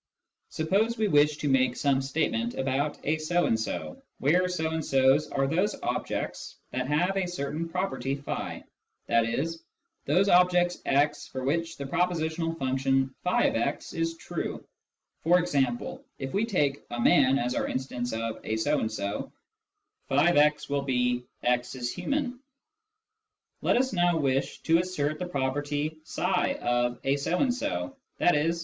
Suppose we wish to make some statement about " a so and so," where " so and so's " are those objects that have a certain property i.e. those objects x for which the propositional function x is true. (E.g. if we take " a man " as our instance of " a so and so," <f>x will be " x is human.") Let us now wish to assert the property of " a so and so," i.e.